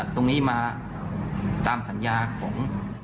ตรงนี้มาตามสัญญาของ